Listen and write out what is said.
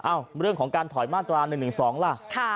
เรื่องของการถอยมาตรา๑๑๒ล่ะ